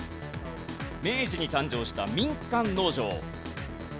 明治に誕生した民間農場。